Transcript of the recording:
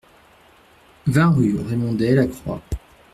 vingt rue Remondet Lacroix